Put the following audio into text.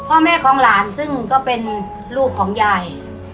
พ่อแม่ของหลานซึ่งก็เป็นลูกของยาย